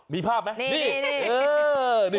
มีภาพมั้ย